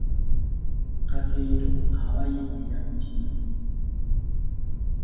Kakeeto aba yeddira mutima.